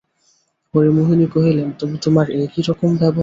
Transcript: হরিমোহিনী কহিলেন, তবে তোমার এ কী রকম ব্যবহার?